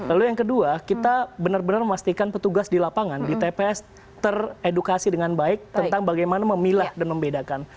lalu yang kedua kita benar benar memastikan petugas di lapangan di tps teredukasi dengan baik tentang bagaimana memilah dan membedakan